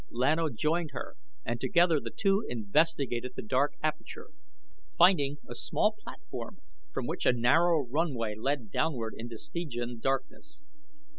Lan O joined her and together the two investigated the dark aperture, finding a small platform from which a narrow runway led downward into Stygian darkness.